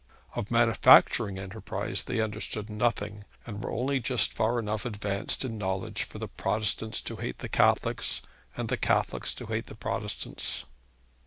Of manufacturing enterprise they understood nothing, and were only just far enough advanced in knowledge for the Protestants to hate the Catholics, and the Catholics to hate the Protestants.